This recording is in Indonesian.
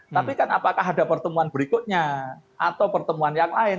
tapi kan apakah ada pertemuan berikutnya atau pertemuan yang lain